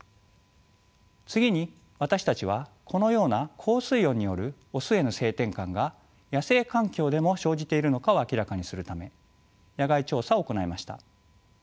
次に私たちはこのような高水温によるオスへの性転換が野生環境でも生じているのかを明らかにするため野外調査を行いました。